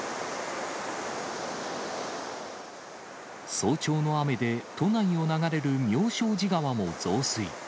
早朝の雨で、都内を流れる妙正寺川も増水。